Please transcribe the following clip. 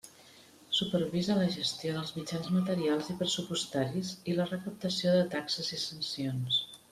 Supervisa la gestió dels mitjans materials i pressupostaris i la recaptació de taxes i sancions.